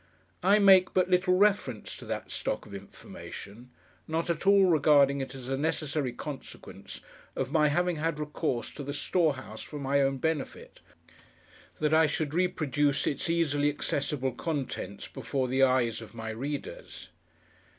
I make but little reference to that stock of information; not at all regarding it as a necessary consequence of my having had recourse to the storehouse for my own benefit, that I should reproduce its easily accessible contents before the eyes of my readers.